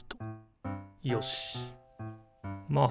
よしまあ